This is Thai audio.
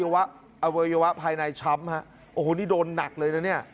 วัยวะภายในช้ำฮะโอ้โหนี่โดนหนักเลยนะเนี่ย